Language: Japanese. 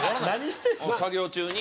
作業中に。